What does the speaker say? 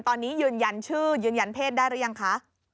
ตอนนี้ยืนยันชื่อยืนยันเพศได้หรือยังคะ